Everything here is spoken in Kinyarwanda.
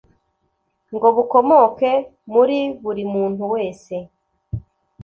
ngo bukomoke muri buri muntu wese